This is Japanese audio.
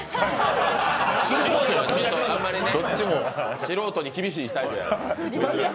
素人に厳しいタイプや。